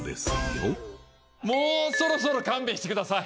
もうそろそろ勘弁してください